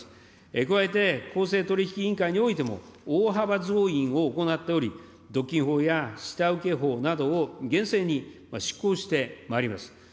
加えて公正取引委員会においても大幅増員を行っており、独禁法や下請け法などを厳正に執行してまいります。